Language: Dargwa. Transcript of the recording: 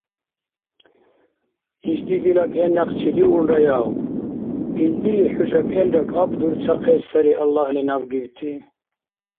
Ишди дила кӀел някъ чедиулраяв? Илди хӀуша кӀелра кӀапӀдурцахъес сари Аллагьли наб гибти.